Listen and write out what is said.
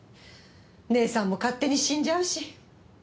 姉さんも勝手に死んじゃうし。